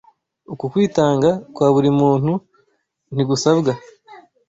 Uku kwitanga kwa buri muntu ntigusabwa